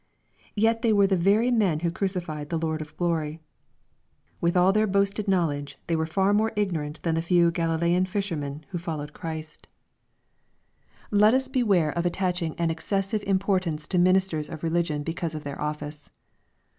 Yet they were the very men who crucified the Lord of glory ! With all their boasted knowledge, they were far more ignorant than the few Galilean fish ermen who followed Christ. LUKK. CHAP. XXII. 889 Let us beware of attaching an excessive importance to ministers of religion because of their office.